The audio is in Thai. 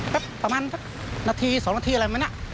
ประมาณนาที๒นาทีอะไรไหมนะ